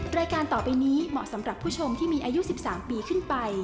รายการต่อไปนี้เหมาะสำหรับผู้ชมที่มีอายุ๑๓ปีขึ้นไป